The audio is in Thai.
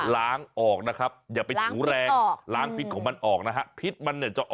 ล้างออกนะครับอย่าไปถูแรงล้างพิดของมันออกนะฮะ